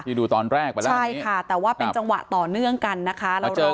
ที่ดูตอนแรกไปแล้วอันนี้ครับมาเจอกันอีกหรอใช่ค่ะแต่ว่าเป็นจังหวะต่อเนื่องกันนะคะ